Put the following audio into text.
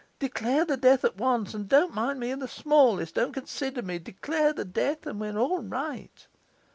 Declare the death at once, don't mind me in the smallest, don't consider me; declare the death, and we're all right.